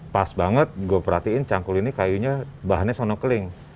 pas banget gue perhatiin cangkul ini kayunya bahannya sonokeling